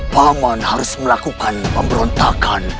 paman harus melakukan pemberontakan